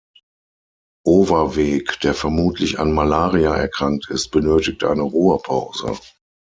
Overweg, der vermutlich an Malaria erkrankt ist, benötigt eine Ruhepause.